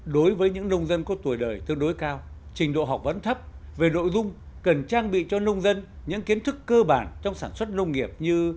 đối với những nông dân có tuổi đời tương đối cao trình độ học vấn thấp về nội dung cần trang bị cho nông dân những kiến thức cơ bản trong sản xuất nông nghiệp như